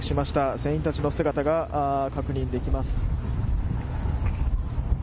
船員たちの姿が確認できます。